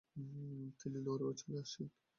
তিনি নরওয়ে চলে আসেন।